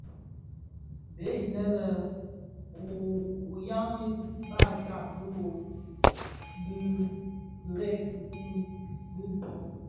Bèè inë ù yaghii, baà tsad bi yô tikerike bì ntó.